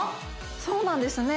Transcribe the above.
そうなんですね